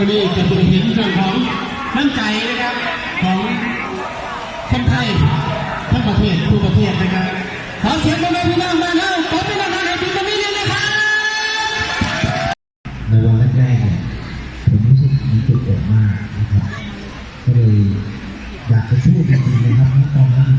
เดี๋ยวก่อนมาถ่ายได้นะครับโอเคมือซ้ายถือฝัดคิว